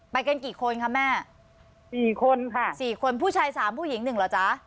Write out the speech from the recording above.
กันกี่คนคะแม่สี่คนค่ะสี่คนผู้ชายสามผู้หญิงหนึ่งเหรอจ๊ะ